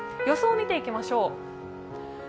予想を見ていきましょう。